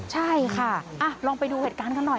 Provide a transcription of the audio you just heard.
ใช่ค่ะลองไปดูเหตุการณ์กันหน่อย